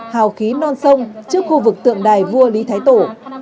hào khí non sông trước khu vực tượng đài vua lý thái tổ